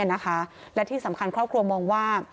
กว่านี้อ่ะนะคะและที่สำคัญครอบครัวมองว่า